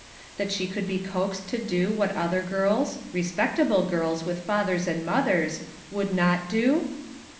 — that she could be coaxed to do what other girls — re spectable girls with fathers and mothers would not do!"